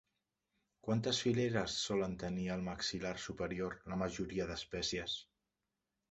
Quantes fileres solen tenir al maxil·lar superior la majoria d'espècies?